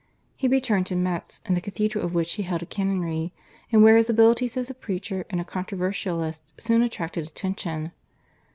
He returned to Metz, in the cathedral of which he held a canonry, and where his abilities as a preacher and a controversialist soon attracted attention.